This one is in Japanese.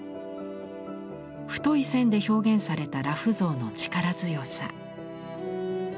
太い線で表現された裸婦像の力強さ。